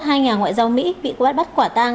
hai nhà ngoại giao mỹ bị quét bắt quả tang